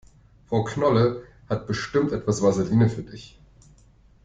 Frau Knolle hat bestimmt etwas Vaseline für dich.